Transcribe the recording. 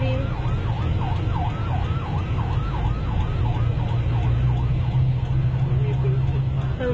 เร็วเร็วเร็ว